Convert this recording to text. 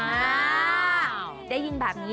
เพราะว่ามีเพื่อนซีอย่างน้ำชาชีระนัทอยู่เคียงข้างเสมอค่ะ